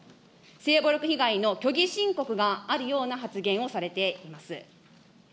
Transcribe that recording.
性暴力被害の虚偽申告があるような発言をされています。